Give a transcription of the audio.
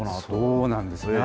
そうなんです。